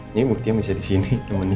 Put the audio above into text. ini buktinya bisa disini